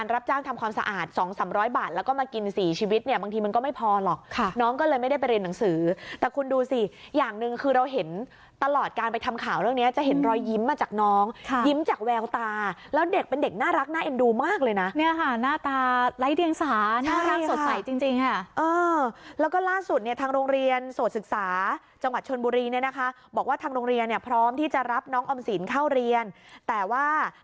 เราเห็นตลอดการไปทำข่าวเรื่องเนี้ยจะเห็นรอยยิ้มมาจากน้องค่ะยิ้มจากแววตาแล้วเด็กเป็นเด็กน่ารักน่าเอ็นดูมากเลยน่ะเนี้ยค่ะหน้าตาไร้เดียงสาน่ารักสดใสจริงจริงฮะเออแล้วก็ล่าสุดเนี้ยทางโรงเรียนโสดศึกษาจังหวัดชนบุรีเนี้ยนะคะบอกว่าทางโรงเรียนเนี้ยพร้อมที่จะรับน้องออมสินเข้า